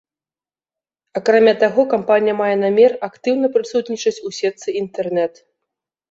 Акрамя таго, кампанія мае намер актыўна прысутнічаць у сетцы інтэрнэт.